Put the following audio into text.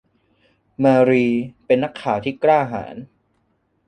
มารีเป็นนักข่าวที่กล้าหาญ